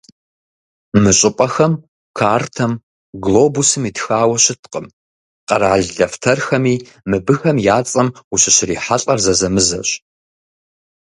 Мы щӏыпӏэхэр картэм, глобусым итхауэ щыткъым, къэрал дэфтэрхэми мыбыхэм я цӀэм ущыщрихьэлӀэр зэзэмызэщ.